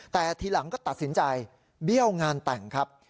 แต่ทีหลังก็ตัดสินใจเบี้ยวงานแต่งครับ